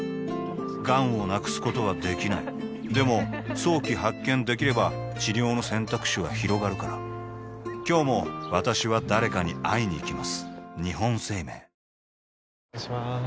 がんを無くすことはできないでも早期発見できれば治療の選択肢はひろがるから今日も私は誰かに会いにいきます